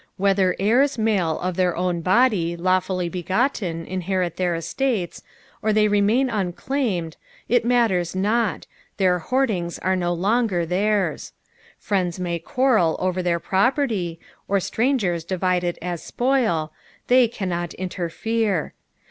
Whether heirs male of th^ir own body, lawfully begotten, inherit their eatatee, or they remain unclaimed, it matters not, their hoardings are no longer theirs ; friends may qnarrel over their property, or Etrangera divide it aa spoil, they cannot interfere.